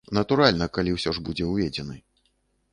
Натуральна, калі ўсё ж будзе ўведзены.